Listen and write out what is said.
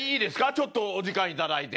ちょっと、お時間いただいて。